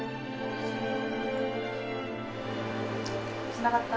つながった？